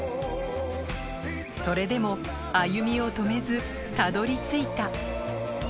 それでも、歩みを止めずたどり着いた。